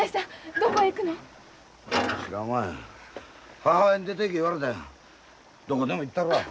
どこでも行ったるわ。